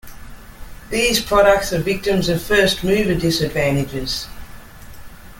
These products are victims of first-mover disadvantages.